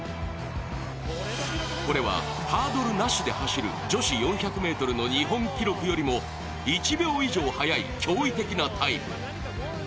これはハードルなしで走る女子４００ｍの日本記録よりも１秒以上速い、驚異的なタイム。